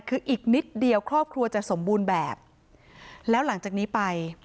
คืออีกนิดเดียวครอบครัวจะสมบูรณ์แบบแล้วหลังจากนี้ไป